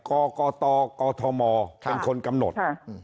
กกตกธมเป็นคนกำหนด